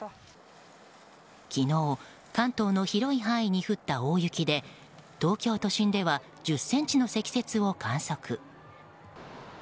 昨日、関東の広い範囲に降った大雪で東京都心では１０ｃｍの積雪を観測。